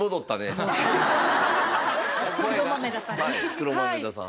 黒豆田さん。